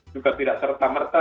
juga tidak serta merta